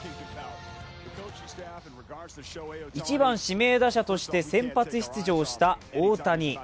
１番・指名打者として先発出場した大谷。